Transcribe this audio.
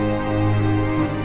warga yang pesan